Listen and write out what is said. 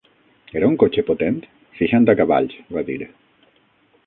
"Era un cotxe potent?" "Seixanta cavalls", va dir.